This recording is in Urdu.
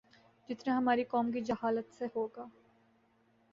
جتنا ہماری قوم کی جہالت سے ہو گا